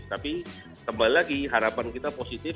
tapi kembali lagi harapan kita positif